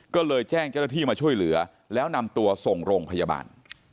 ก็เลยแจ้งเจ้าหน้าที่มาช่วยเหลือแล้วนำตัวส่งโรงพยาบาล